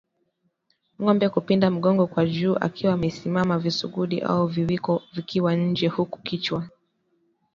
Ng'ombe kupinda mgongo kwa juu akiwa amesimama visugudi au viwiko vikiwa nje huku kichwa